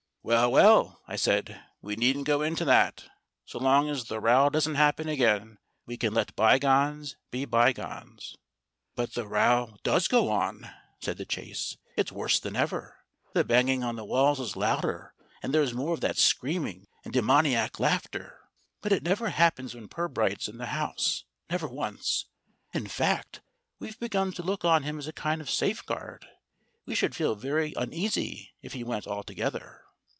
"Well, well," I said, "we needn't go into that. So long as the row doesn't happen again, we can let bygones be bygones." "But the row does go on," said The Chase. "It's worse than ever. The banging at the walls is louder, and there is more of the screaming and demoniac laughter. But it never happens when Pirbright's in the house never once. In fact, we've begun to look on him as a kind of safeguard. We should feel very uneasy if he went altogether."